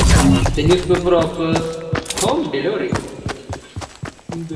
The newspaper offers home delivery.